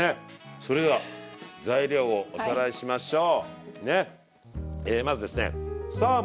それでは材料をおさらいしましょう。